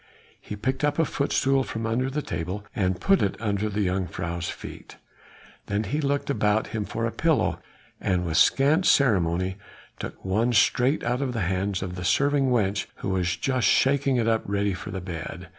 He picked up a footstool from under the table and put it under the jongejuffrouw's feet; then he looked about him for a pillow, and with scant ceremony took one straight out of the hands of the serving wench who was just shaking it up ready for the bed.